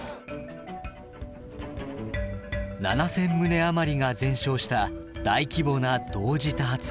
７，０００棟余りが全焼した大規模な同時多発火災。